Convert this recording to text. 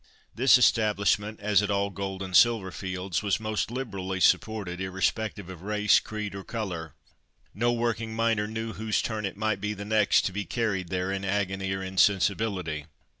This establishment, as at all gold and silver fields, was most liberally supported, irrespective of race, creed, or colour. No working miner knew whose turn it might be the next to be carried there in agony or insensibility.